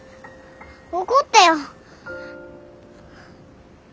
怒ってよ。